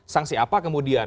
sanksi apa kemudian